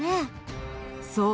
そう。